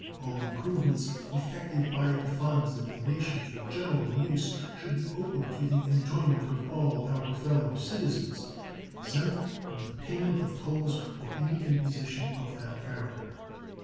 All improvements effected by the funds of the nation for general use should be open to the enjoyment of all our fellow citizens, exempt from the payment of tolls or any imposition of that character.